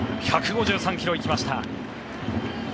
１５３ｋｍ、行きました。